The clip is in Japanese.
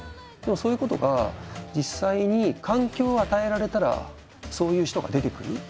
でもそういうことが実際に環境を与えられたらそういう人が出てくる。